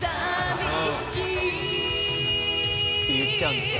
「淋しい」って言っちゃうんですよ